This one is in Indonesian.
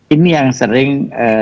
ini yang sering